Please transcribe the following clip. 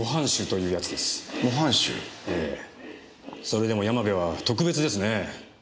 それでも山部は特別ですね。